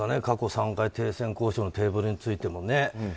過去３回、停戦交渉のテーブルについてもね。